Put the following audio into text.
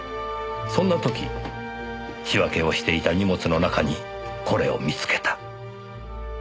そんな時仕分けをしていた荷物の中にこれを見つけた。